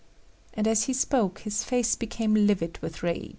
And as he spoke his face became livid with rage.